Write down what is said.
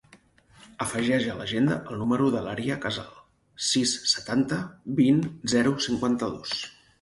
Afegeix a l'agenda el número de l'Arya Casal: sis, setanta, vint, zero, cinquanta-dos.